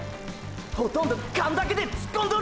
ほとんど勘だけで突っ込んどる！！